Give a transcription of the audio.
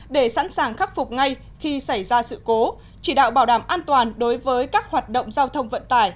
để sẵn sàng khắc phục ngay khi xảy ra sự cố chỉ đạo bảo đảm an toàn đối với các hoạt động giao thông vận tải